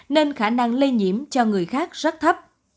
nên khả năng lây nhiễm cho người khác rất thấp